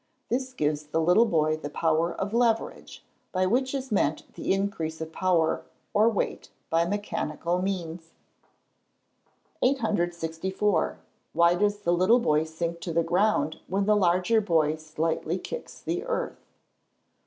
This gives the little boy the power of leverage, by which is meant the increase of power, or weight, by mechanical means. [Illustration: Fig. 44. BOYS AND "SEE SAW."] 864. _Why does the little boy sink to the ground when the larger boy slightly kicks the earth?